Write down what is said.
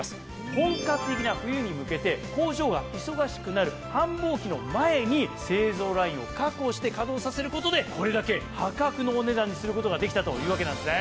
本格的な冬に向けて工場が忙しくなる繁忙期の前に製造ラインを確保して稼働させることでこれだけ破格のお値段にすることができたというわけなんですね。